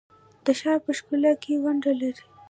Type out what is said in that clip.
د ښار په ښکلا کې ونډه لري؟